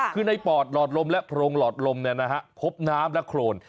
คือในปอดหลอดลมและโพรงหลอดลมพบน้ำและโครน